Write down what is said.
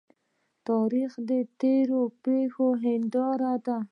تاریخ د تیرو پیښو هنداره ده.